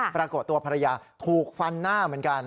ปรากฏตัวภรรยาถูกฟันหน้าเหมือนกัน